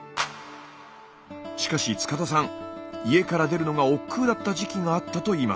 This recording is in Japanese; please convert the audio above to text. しかし塚田さん家から出るのがおっくうだった時期があったといいます。